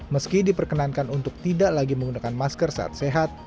meski diperkenankan untuk tidak lagi menggunakan masker saat sehat